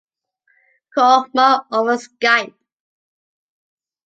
Call Marc over Skype.